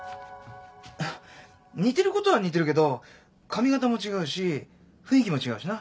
似てることは似てるけど髪形も違うし雰囲気も違うしな。